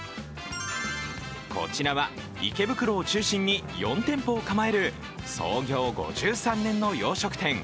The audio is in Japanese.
こちらは池袋を中心に４店舗を構える創業５３年の洋食店